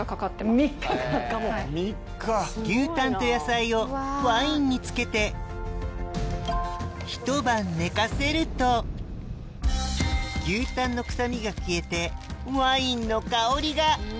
牛タンと野菜をワインに漬けてひと晩寝かせると牛タンの臭みが消えてワインの香りが！